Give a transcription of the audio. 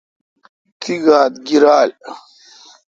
تی گاتھ گیرال۔